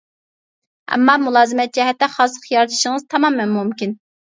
ئەمما، مۇلازىمەت جەھەتتە خاسلىق يارىتىشىڭىز تامامەن مۇمكىن.